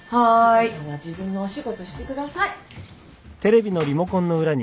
莉湖さんは自分のお仕事してください。